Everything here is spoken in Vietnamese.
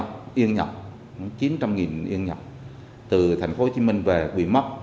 rồi một thanh niên người ở hòa hiệp tuy hòa mang tiền nhọc yên nhọc chín trăm linh yên nhọc từ thành phố hồ chí minh về bị mất